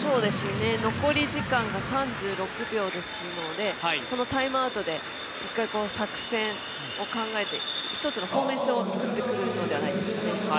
残り時間が３６秒ですのでこのタイムアウトで一回、作戦を考えて、一つのフォーメーションを考えてくるんじゃないですかね。